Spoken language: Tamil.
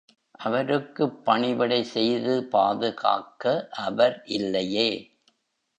அவருக்குப் பணிவிடை செய்து பாதுகாக்க அவர் இல்லையே!